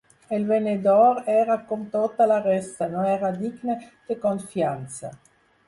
El venedor era com tota la resta, no era digne de confiança.